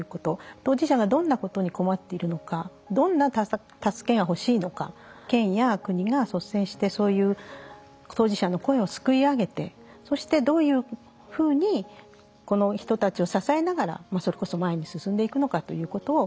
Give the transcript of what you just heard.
当事者がどんなことに困っているのかどんな助けがほしいのか県や国が率先してそういう当事者の声をすくい上げてそしてどういうふうにこの人たちを支えながらそれこそ前に進んでいくのかということを聞いていく。